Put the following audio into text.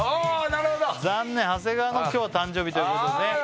なるほど残念長谷川の今日は誕生日ということでね